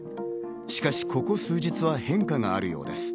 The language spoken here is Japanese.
しかしここ数日は変化があるようです。